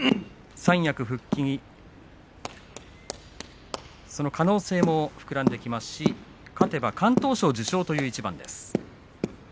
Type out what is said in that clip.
三役復帰、その可能性も膨らんできますし勝てば敢闘賞受賞という一番です。